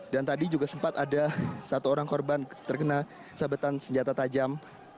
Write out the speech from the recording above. dan tadi juga sempat ada satu orang korban terkena sabetan senjata tajam